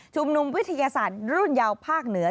นุมวิทยาศาสตร์รุ่นยาวภาคเหนือ